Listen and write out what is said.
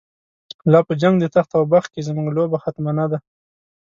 لا په جنگ د تخت او بخت کی، زمونږ لوبه ختمه نده